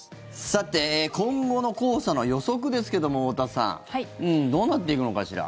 さて今後の黄砂の予測ですけども太田さんどうなっていくのかしら。